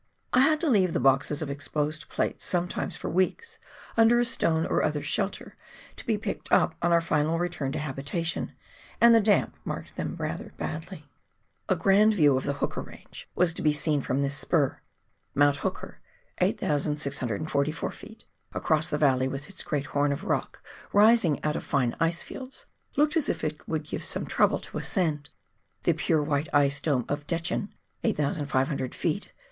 I had to leave the boxes of exposed plates sometimes for weeks under a stone or other shelter to be picked up on our final return to habitation, and the damp marked several rather badly. A grand view of the Hooker Range was to be seen from this spur. Mount Hooker (8,644 ft.) across the valley, with its great horn of rock rising out of fine ice fields, looked as if it would give some trouble to ascend ; the pure white ice dome of Dechen (8,500 ft.)